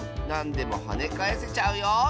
なんでもはねかえせちゃうよ。